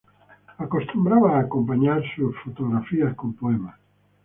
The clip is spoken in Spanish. Acostumbraba a acompañar sus fotografías con poemas.